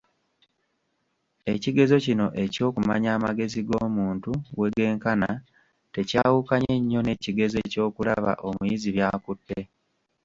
Ekigezo kino eky'okumanya amagezi g'omuntu weegenkana tekyawukanye nnyo n'ekigezo eky'okulaba omuyizi by'akutte.